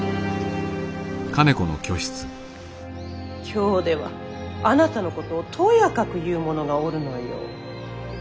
京ではあなたのことをとやかく言う者がおるのよ。